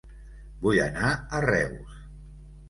Vull anar a Reus